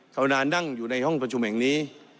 ชาวนานั่งอยู่ในห้องประชุมแห่งนี้